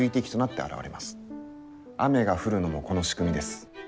雨が降るのもこの仕組みです。